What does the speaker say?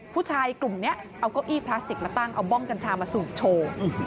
ผู้ชายกลุ่มนี้เอาเก้าอี้พลาสติกมาตั้งเอาบ้องกัญชามาสูบโชว์